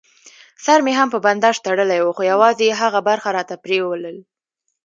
سر مې هم په بنداژ تړلی و، خو یوازې یې هغه برخه راته پرېولل.